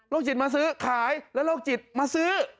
จิตมาซื้อขายแล้วโรคจิตมาซื้อ